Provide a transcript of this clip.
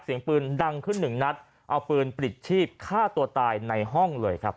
เสียงปืนดังขึ้นหนึ่งนัดเอาปืนปลิดชีพฆ่าตัวตายในห้องเลยครับ